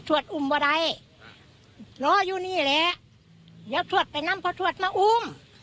ถวดอุ๋มวะไหล้เหล้าอยู่นี่แหละเหยียบถวดไปนำเพราะถวดมาอุ๋ม